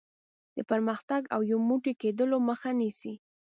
د پرمختګ او یو موټی کېدلو مخه نیسي.